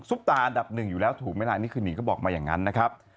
ตาอันดับหนึ่งอยู่แล้วถูกไหมล่ะนี่คือหนีก็บอกมาอย่างนั้นนะครับ